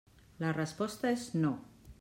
La resposta és «no».